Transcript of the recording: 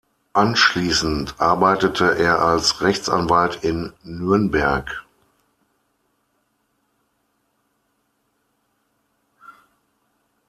Anschließend arbeitete er als Rechtsanwalt in Nürnberg.